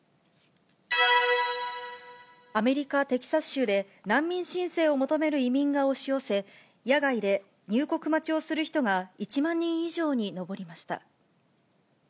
アメリカ・テキサス州で、難民申請を求める移民が押し寄せ、野外で入国待ちをする人が１万人以上に上りました。